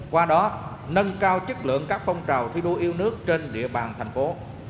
qua đó nâng cao chất lượng các phong trào thi đua yêu nước trên địa bàn thành phố